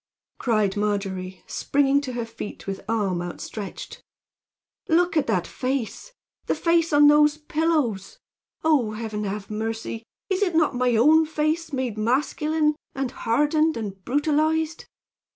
cried Margery, springing to her feet with arm outstretched. "Look at that face the face on those pillows! Oh, Heaven, have mercy! Is it not my own face made masculine, and hardened and brutalized?